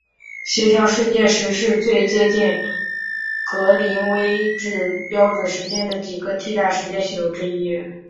协调世界时是最接近格林威治标准时间的几个替代时间系统之一。